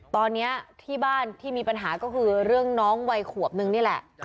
ตอนนี้ที่บ้านที่มีปัญหาก็คือเรื่องน้องวัยขวบนึงนี่แหละ